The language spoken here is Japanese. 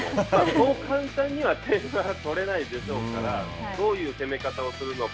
そう簡単には点は取れないでしょうから、どういう攻め方をするのか。